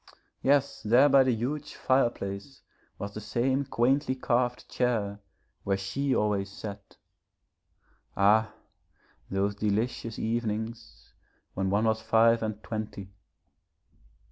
Yes, there by the huge fireplace was the same quaintly carved chair where she always sat. Ah, those delicious evenings when one was five and twenty.